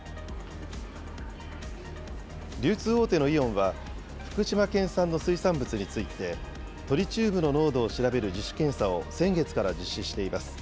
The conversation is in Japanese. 流通大手のイオンは、福島県産の水産物について、トリチウムの濃度を調べる自主検査を先月から実施しています。